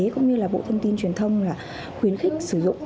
cũng như là bộ thông tin truyền thông là khuyến khích sử dụng